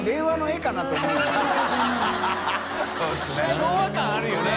昭和感あるよね？